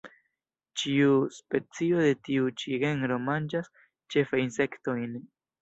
Ĉiu specio de tiu ĉi genro manĝas ĉefe insektojn.